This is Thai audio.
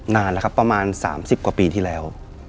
นานแล้วครับประมาณ๓๐กว่าปีที่แล้ว